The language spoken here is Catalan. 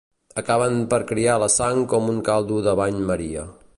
Acaben per criar la sang com un caldo de bany maria.